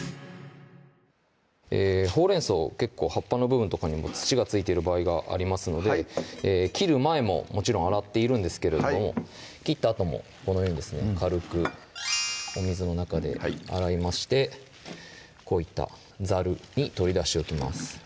ほうれん草結構葉っぱの部分とかにも土が付いている場合がありますので切る前ももちろん洗っているんですけれども切ったあともこのようにですね軽くお水の中で洗いましてこういったザルに取り出しておきます